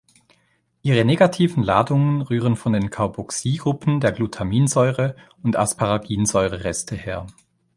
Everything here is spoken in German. Ihre negativen Ladungen rühren von den Carboxygruppen der Glutaminsäure- und Asparaginsäure-Reste her.